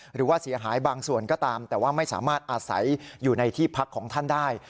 หรือว่าเสียหายบางส่วนก็ตามแต่ว่าไม่สามารถอาศัยอยู่ในที่พักของท่านได้